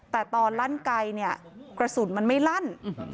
แต่ตอนลั่นไกลเนี่ยกระสุนมันไม่ลั่น